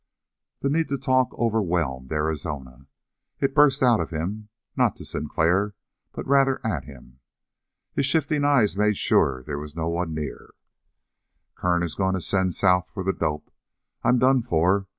The need to talk overwhelmed Arizona. It burst out of him, not to Sinclair, but rather at him. His shifting eyes made sure that no one was near. "Kern is going to send south for the dope. I'm done for.